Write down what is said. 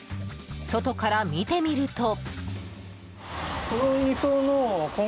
外から見てみると。